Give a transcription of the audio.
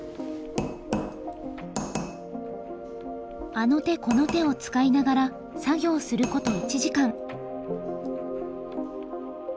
あの手この手を使いながら作業すること１時間。